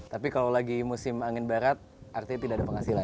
tapi kalau lagi musim angin barat artinya tidak ada penghasilan